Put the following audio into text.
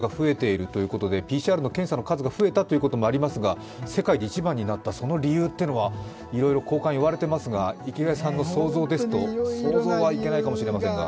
ここにきて日本での陽性者の数が増えているということでＰＣＲの検査の数が増えたということもありますが世界で一番になった、その理由というのは、いろいろ巷間で言われていますが、池谷さんの想像ですと、想像はいけないと思いますが。